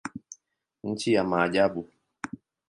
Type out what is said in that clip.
Nchi ya maajabu.